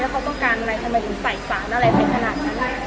เขาต้องการอะไรทำไมถึงใส่สารอะไรไปขนาดนั้น